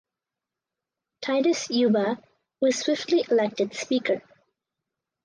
Titus Uba was swiftly elected speaker